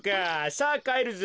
さあかえるぞ。